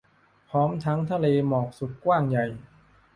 พร้อมทั้งทะเลหมอกสุดกว้างใหญ่